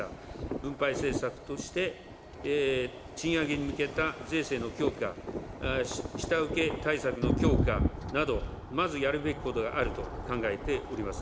分配政策として、賃上げに向けた税制の強化、下請け対策の強化など、まずやるべきことがあると考えております。